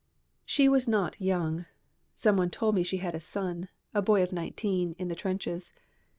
She was not young. Some one told me she had a son, a boy of nineteen, in the trenches.